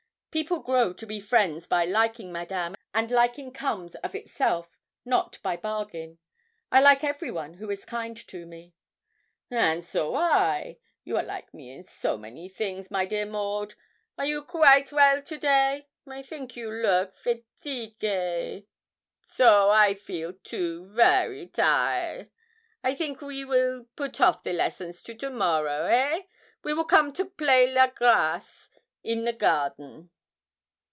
'People grow to be friends by liking, Madame, and liking comes of itself, not by bargain; I like every one who is kind to me.' 'And so I. You are like me in so many things, my dear Maud! Are you quaite well to day? I think you look fateague; so I feel, too, vary tire. I think we weel put off the lessons to to morrow. Eh? and we will come to play la grace in the garden.'